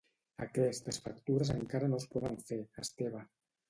Aquestes factures encara no es poden fer, Esteve.